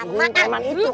siapa yang tolong aku dulu